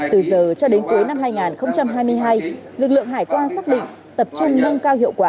từ giờ cho đến cuối năm hai nghìn hai mươi hai lực lượng hải quan xác định tập trung nâng cao hiệu quả